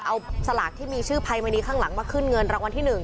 เอาสลากที่มีชื่อภัยมณีข้างหลังมาขึ้นเงินรางวัลที่๑